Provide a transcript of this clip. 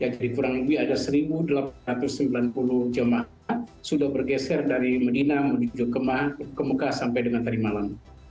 jadi kurang lebih ada satu delapan ratus sembilan puluh jemaah sudah bergeser dari medina ke muka sampai dengan hari malam